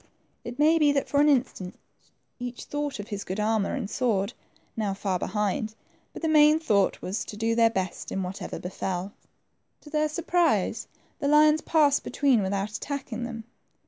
It may be that for an instant each thought of his good armor and sword, now far be hind, but the main thought was to do their best in whatever befell. To their surprise, the lions passed between without attacking them.